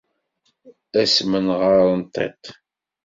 Asmenɣer n tiṭ.